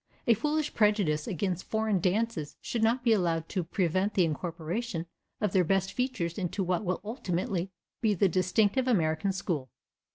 A foolish prejudice against foreign dances should not be allowed to prevent the incorporation of their best features into what will ultimately be the distinctive American school.